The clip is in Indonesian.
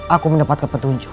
aku mendapatkan kabar yang baik